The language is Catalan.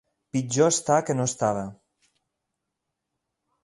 Pitjor està que no estava.